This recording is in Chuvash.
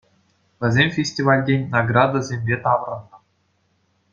Вӗсем фестивальтен наградӑсемпе таврӑннӑ.